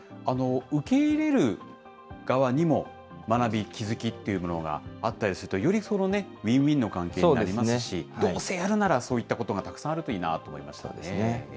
受け入れる側にも学び、気付きというものがあったりすると、よりウインウインの関係になりますし、どうせやるならそういったことがたくさんあるといいなと思いましたね。